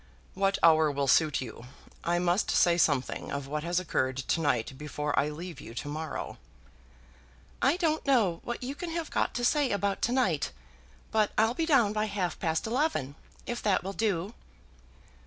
"What hour will suit you? I must say something of what has occurred to night before I leave you to morrow." "I don't know what you can have got to say about to night, but I'll be down by half past eleven, if that will do?"